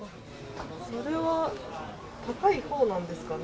これは高いほうなんですかね。